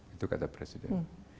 itu kata presiden